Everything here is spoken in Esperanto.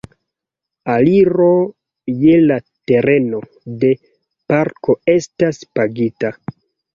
Aliro je la tereno de parko estas pagita.